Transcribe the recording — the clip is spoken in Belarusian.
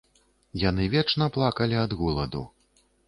Яны вечна плакалі ад голаду.